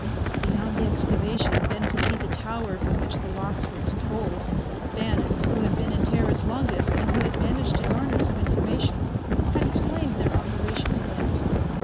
Beyond the excavation Ben could see the tower from which the locks were controlled. Bannon, who had been in Teris longest and who had managed to garner some information, had explained their operation to Ben.